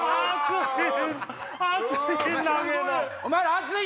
・熱い！